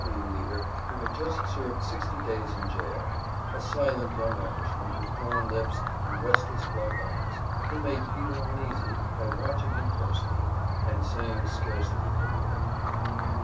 W. W. leader who had just served sixty days in jail, a silent young Irishman with drawn lips and restless black eyes, who made Peter uneasy by watching him closely and saying scarcely a word.